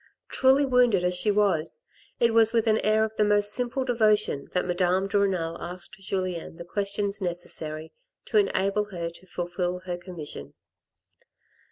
Truly wounded as she was, it was with an air of the most simple devotion that Madame de Renal asked Julien the questions necessary to enable her to fulfil her commission.